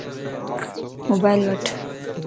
موبائل وٺ